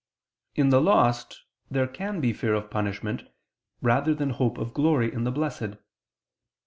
In the lost there can be fear of punishment, rather than hope of glory in the Blessed.